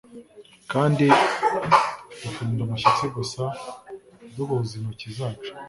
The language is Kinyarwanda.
Kandi duhinda umushyitsi gusa duhuza intoki zacu